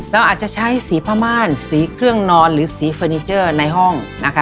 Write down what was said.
เราอาจจะใช้สีผ้าม่านสีเครื่องนอนหรือสีเฟอร์นิเจอร์ในห้องนะคะ